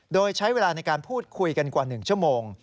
โดยใช้เวลาในการพูดคุยกันกว่า๑ชั่วโมง